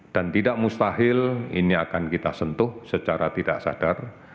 dan tidak mustahil ini akan kita sentuh secara tidak sadar